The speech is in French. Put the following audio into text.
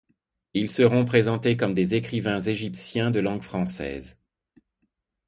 Ils seront présentés comme des écrivains égyptiens de langue française.